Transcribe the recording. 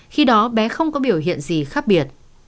khi đó bé không có biểu hiện gì khác biệt